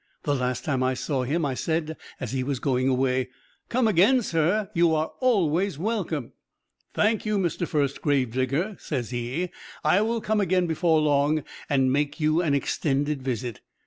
The last time I saw him I said as he was going away, 'Come again, sir; you are always welcome!' "'Thank you, Mr. First Gravedigger,' says he; 'I will come again before long, and make you an extended visit.'